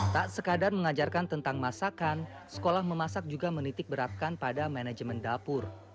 tak sekadar mengajarkan tentang masakan sekolah memasak juga menitik beratkan pada manajemen dapur